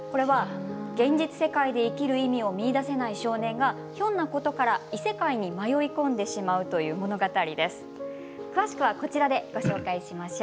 現実世界で生きる意味を見いだせない少年がひょんなことから異世界に迷い込んでしまうという物語です。